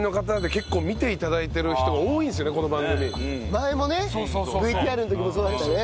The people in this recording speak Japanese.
前もねＶＴＲの時もそうだったね。